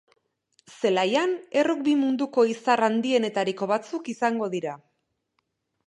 Zelaian errugbi munduko izar handienetariko batzuk izango dira.